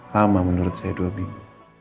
lama menurut saya dua minggu